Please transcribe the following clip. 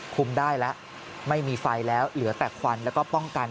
ได้แล้วไม่มีไฟแล้วเหลือแต่ควันแล้วก็ป้องกัน